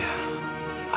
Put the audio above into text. aku kok lupa ya